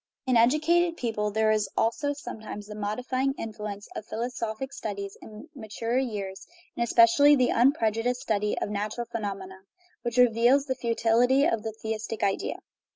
In educated people there is also sometimes the modifying influence of philosophic studies in maturer years, and especially the unpreju diced study of natural phenomena, which reveals the futility of the theistic idea.